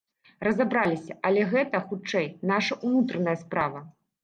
Разабраліся, але гэта, хутчэй, наша ўнутраная справа.